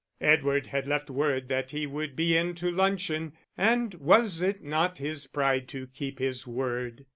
Edward had left word that he would be in to luncheon, and was it not his pride to keep his word?